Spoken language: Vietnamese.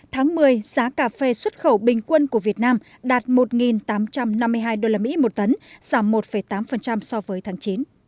tháng một mươi giá cà phê xuất khẩu bình quân của việt nam đạt một tám trăm năm mươi hai usd một tấn giảm một tám so với tháng chín